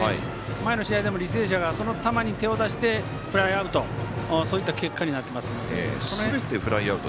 前の試合でも履正社がその球に手を出してフライアウトという結果になってますので。